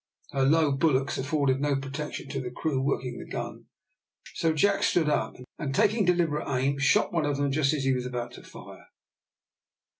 Her low bulwarks afforded no protection to the crew working the gun, so Jack stood up, and taking deliberate aim, shot one of them just as he was about to fire.